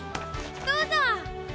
どうぞ。